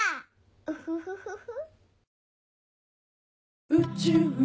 ウフフフフ。